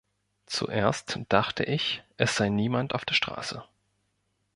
Zuerst dachte ich, es sei niemand auf der Straße.